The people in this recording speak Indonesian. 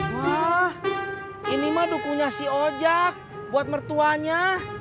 wah ini mah dukunya si oja buat mertuanya